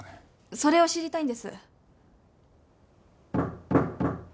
それを知りたいんです。